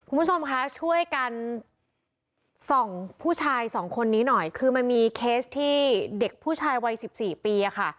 คุณผู้ชมคะช่วยกันส่องผู้ชายสองคนนี้หน่อยคือมันมีเคสที่เด็กผู้ชายวัยสิบสี่ปีอะค่ะ